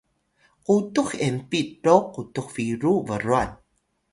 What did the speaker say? qutux enpit ro qutux biru brwan